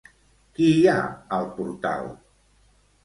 Qui hi ha al portal?